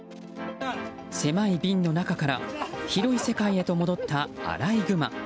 狭い瓶の中から広い世界へと戻ったアライグマ。